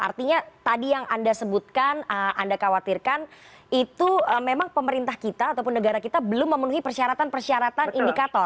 artinya tadi yang anda sebutkan anda khawatirkan itu memang pemerintah kita ataupun negara kita belum memenuhi persyaratan persyaratan indikator